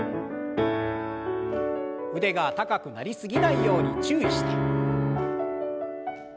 腕が高くなり過ぎないように注意して。